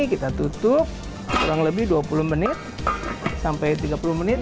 kita tutup kurang lebih dua puluh menit sampai tiga puluh menit